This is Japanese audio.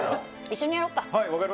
一緒にやろうか！